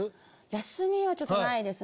休みはちょっとないですね。